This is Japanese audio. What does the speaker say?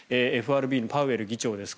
ＦＲＢのパウエル議長です。